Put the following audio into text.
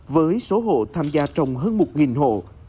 với số hộ tham gia trồng hơn một hộ